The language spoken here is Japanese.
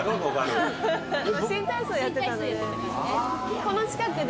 新体操やってたので。